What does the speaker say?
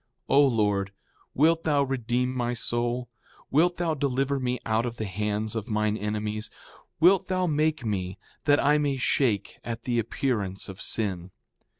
4:31 O Lord, wilt thou redeem my soul? Wilt thou deliver me out of the hands of mine enemies? Wilt thou make me that I may shake at the appearance of sin?